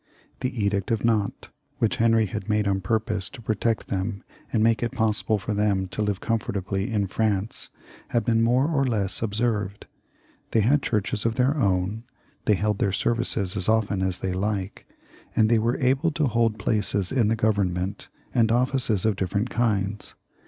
The Edict of Nantes, which Henry had made on purpose to protect them and make it possible for them ta live comfortably in France, had been more or less observed. They had churches of their own, they held their services as often as they liked, and they were able to hold places in the Government and offices of different kinds.